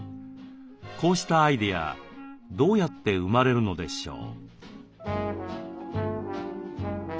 こうしたアイデアどうやって生まれるのでしょう？